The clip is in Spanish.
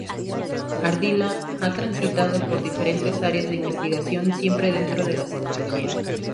Ardila ha transitado por diferentes áreas de investigación siempre dentro de la Psicología.